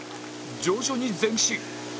徐々に前進「」